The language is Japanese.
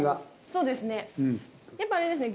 そうですね。